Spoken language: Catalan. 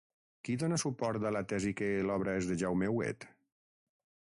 Qui dona suport a la tesi que l'obra és de Jaume Huguet?